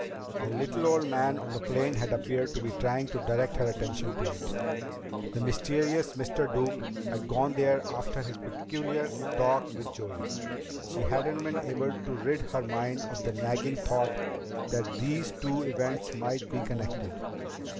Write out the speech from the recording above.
The little old man on the plane had appeared to be trying to direct her attention to it. The mysterious Mr. Duke had gone there after his peculiar talk with Joey. She hadn't been able to rid her mind of the nagging thought that these two events might be connected.